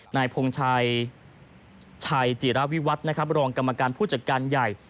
นายพงชัยชายจีรวิวัตรรองกรรมการผู้จัดการใหญ่